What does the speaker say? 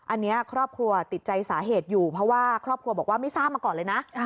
อันนี้ครอบครัวติดใจสาเหตุอยู่เพราะว่าครอบครัวบอกว่าไม่ทราบมาก่อนเลยนะ